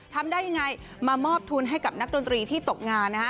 ทำได้ยังไงมามอบทุนให้กับนักดนตรีที่ตกงานนะฮะ